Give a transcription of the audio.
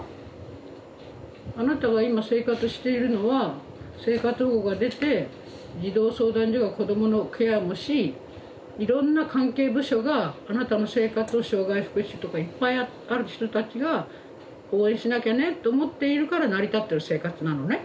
あなたが今生活しているのは生活保護が出て児童相談所が子どものケアもしいろんな関係部署があなたの生活を障害福祉とかいっぱいある人たちが応援しなきゃねと思っているから成り立ってる生活なのね。